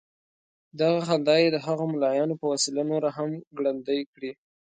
دغه خندا یې د هغو ملايانو په وسيله نوره هم ګړندۍ کړې.